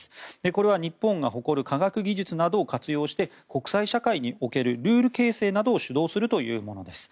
これは日本が誇る科学技術などを活用して国際社会におけるルール形成などを主導するというものです。